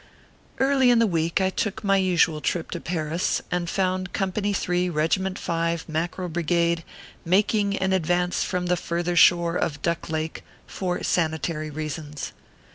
Early in the week, I took my usual trip to Paris, and found Company 3, Kegiment 5, Mackerel Brig ade, making an advance from the further shore of Duck Lake, for sanitary reasons.